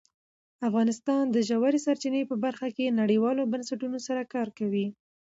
افغانستان د ژورې سرچینې په برخه کې نړیوالو بنسټونو سره کار کوي.